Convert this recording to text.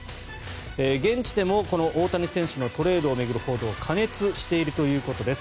現地でも大谷選手のトレードを巡る報道過熱しているということです。